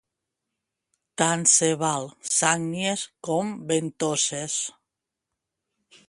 Tant se val sagnies com ventoses.